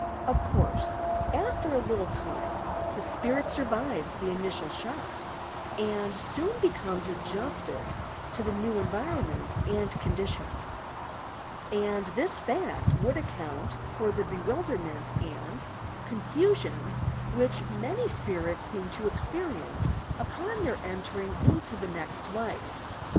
Of course, after a little time, the spirit survives the initial shock, and soon be comes adjusted to the new environment and condition; and this fact would account for the bewilderment and 52 YOUE PSYCHIC POWERS confusion which many spirits seem to experience upon their entering into the nest life.